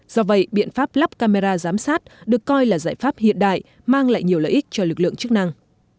do vậy biện pháp lắp camera giám sát được coi là giải pháp hiện đại mang lại nhiều lợi ích cho lực lượng chức năng